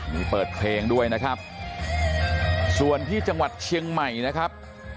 มีเปิดเพลงด้วยนะครับส่วนที่จังหวัดเชียงใหม่นะครับ